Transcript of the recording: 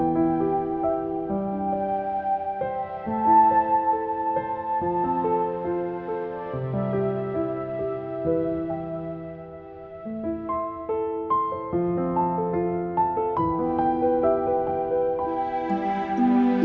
terima kasih pak